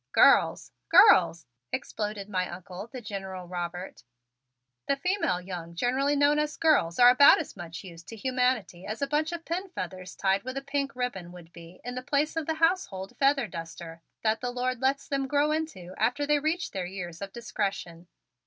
"Girls! Girls!" exploded my Uncle, the General Robert. "The female young generally known as girls are about as much use to humanity as a bunch of pin feathers tied with a pink ribbon would be in the place of the household feather duster that the Lord lets them grow into after they reach their years of discretion.